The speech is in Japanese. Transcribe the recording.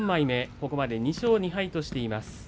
ここまで２勝２敗としています。